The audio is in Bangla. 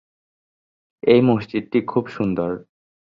এই মসজিদটি খুব সুন্দর।